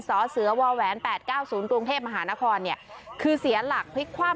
สอเสือวาแหวนแปดเก้าศูนย์กรุงเทพมหานครเนี่ยคือเสียหลักพลิกคว่ำ